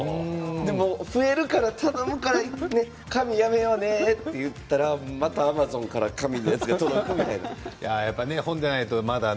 でも増えるから頼むから紙をやめようねって言ったらまたアマゾンから紙のやつが届くみたいな。